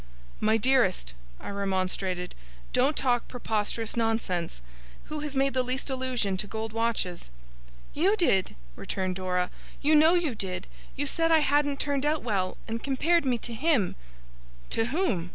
'My dearest,' I remonstrated, 'don't talk preposterous nonsense! Who has made the least allusion to gold watches?' 'You did,' returned Dora. 'You know you did. You said I hadn't turned out well, and compared me to him.' 'To whom?